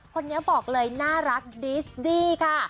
คนนี้บอกเลยน่ารักดิสดี้ค่ะ